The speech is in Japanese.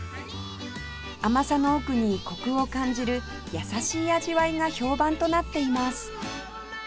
甘さの奥にコクを感じる優しい味わいが評判となっています